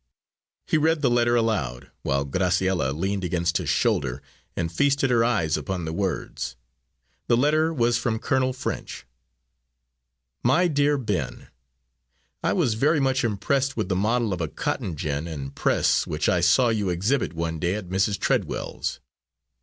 He read the letter aloud, while Graciella leaned against his shoulder and feasted her eyes upon the words. The letter was from Colonel French: "My dear Ben: _I was very much impressed with the model of a cotton gin and press which I saw you exhibit one day at Mrs. Treadwells'.